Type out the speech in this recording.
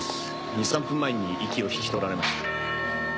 ２３分前に息を引き取られました。